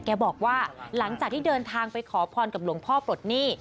แกบอกว่าหลังจากที่เดินทางไปขอพรกับหลวงพ่อปลดหนี้